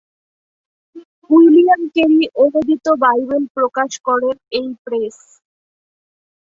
William Carey অনূদিত Bible প্রকাশ করেন এই প্রেস।